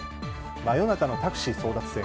真夜中のタクシー争奪戦。